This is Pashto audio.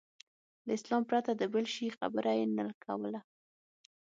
له اسلام پرته د بل شي خبره یې نه کوله.